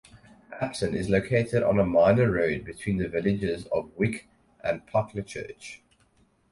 Abson is located on a minor road between the villages of Wick and Pucklechurch.